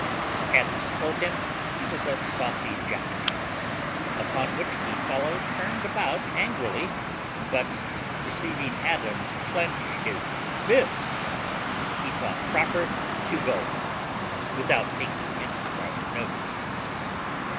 Adams told him he was a saucy jackanapes; upon which the fellow turned about angrily; but, perceiving Adams clench his fist, he thought proper to go on without taking any farther notice.